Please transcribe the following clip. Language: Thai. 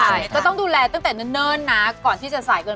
ก็คือต้องดูลาตัวเองดีแต่คุณพ่อพี่กาว